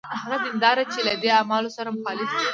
هغه دینداره چې له دې اعمالو سره مخالف دی.